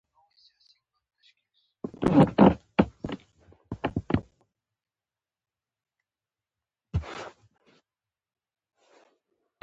له سینې څخه یې ویني بهېدلې